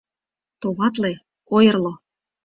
Товатле, ойырло...